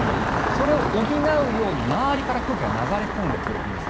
それを補うように、周りから空気が流れ込んでくるんです。